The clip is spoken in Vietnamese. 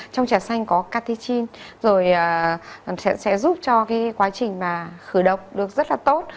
trong trà xanh có catechin rồi sẽ giúp cho cái quá trình khử độc được rất là tốt